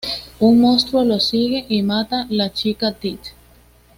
Un monstruo los sigue y mata la chica Tit.